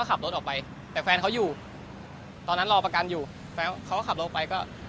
เรื่องมันจบยังไง